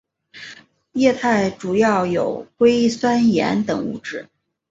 液态主要有硅酸盐等物质。